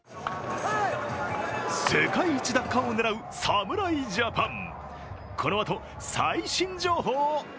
世界一奪還を狙う侍ジャパン。